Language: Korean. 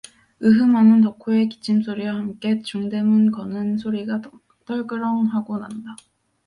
으흠 하는 덕호의 기침소리와 함께 중대 문 거는 소리가 떨그렁 하고 난다.